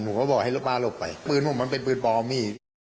ผมก็บอกให้รถบ้าหลบไปปืนผมมันเป็นปืนปลอมมี